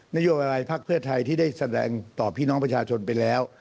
นโยบายพักเพื่อไทยที่ได้แสดงต่อพี่น้องประชาชนไปแล้ว